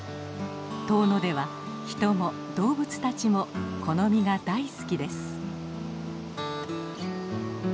遠野では人も動物たちもこの実が大好きです。